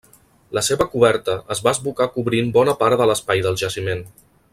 La seva coberta es va esbucar cobrint bona part de l'espai del jaciment.